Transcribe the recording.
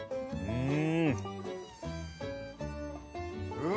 うん！